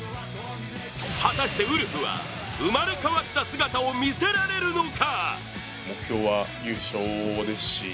果たしてウルフは生まれ変わった姿を見せられるのか。